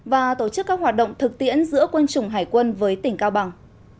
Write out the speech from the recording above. và tổ chức các hoạt động thực tiễn giữa quân chủng hải quân với tỉnh cao bằng